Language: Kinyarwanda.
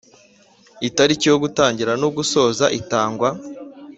Itariki yo gutangira no gusoza itangwa